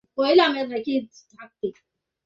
এক্লিতে কিছু বোঝা যায় না।